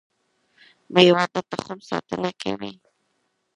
میوه د تخم ساتنه کوي